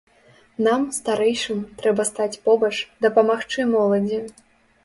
Нам, старэйшым, трэба стаць побач, дапамагчы моладзі.